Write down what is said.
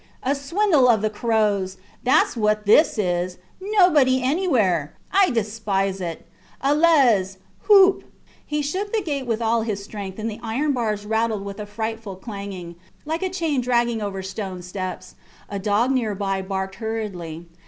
A swindle of the crows. Thats what this is. Nobody anywhere. I despise it. Allez! Houp! He shook the gate with all his strength, and the iron bars rattled with a frightful clanging, like a chain dragged over stone steps. A dog near by barked hurriedly.